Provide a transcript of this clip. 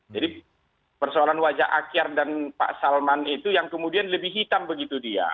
jadi persoalan wajah akyar dan pak salman itu yang kemudian lebih hitam begitu dia